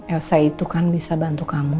elsa itu kan bisa bantu kamu